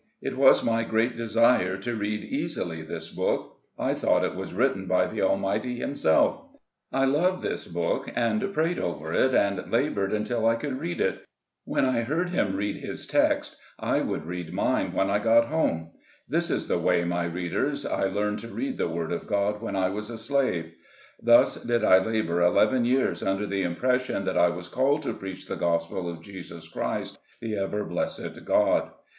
It was my great desire to read easily this book. I thought it was written by the Almighty himself. I loved this book, and prayed over it, and labored until I could read it. I used to go to the church to hear the white preacher. When I heard him read his text, I would read mine when I got home. This is the way, my readers, I learned to read the word of God when I was a slave. Thus did I labor eleven years under the impression that I was called to preach the gospel of Jesus Christ, the ever blessed God.